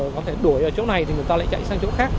có thể đuổi ở chỗ này thì người ta lại chạy sang chỗ khác